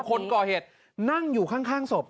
คนก่อเหตุนั่งอยู่ข้างศพ